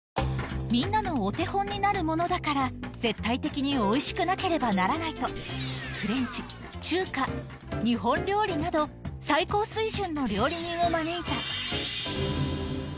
みんなのお手本になるものだから、絶対的においしくなければならないと、フレンチ、中華、日本料理など、最高水準の料理人を招いた。